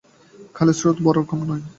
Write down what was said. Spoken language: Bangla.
খালে স্রোতও বড় কম নয়।